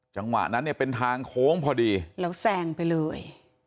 จังหวะนั้นเนี่ยเป็นทางโค้งพอดีแล้วแซงไปเลย